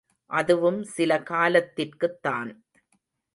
அதுவும் சில காலத்திற்குத்தான்!